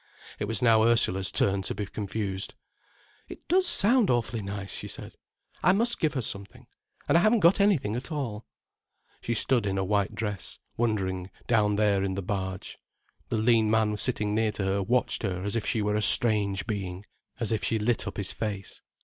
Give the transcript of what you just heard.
It was now Ursula's turn to be confused. "It does sound awfully nice," she said. "I must give her something. And I haven't got anything at all." She stood in her white dress, wondering, down there in the barge. The lean man sitting near to her watched her as if she were a strange being, as if she lit up his face.